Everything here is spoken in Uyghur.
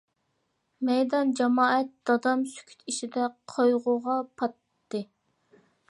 مەيدان، جامائەت، دادام سۈكۈت ئىچىدە قايغۇغا پاتتى.